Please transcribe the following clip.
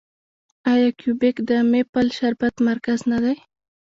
آیا کیوبیک د میپل شربت مرکز نه دی؟